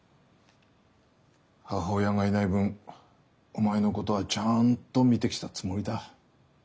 母親がいない分お前のことはちゃんと見てきたつもりだ。